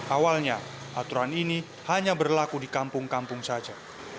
awalnya aturan ini hanya berlaku di kampung kampung saja